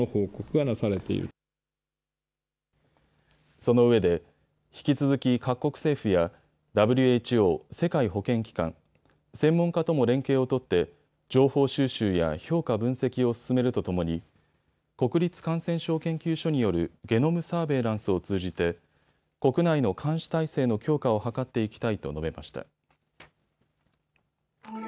そのうえで引き続き各国政府やＷＨＯ・世界保健機関、専門家とも連携を取って情報収集や評価分析を進めるとともに国立感染症研究所によるゲノムサーベイランスを通じて国内の監視体制の強化を図っていきたいと述べました。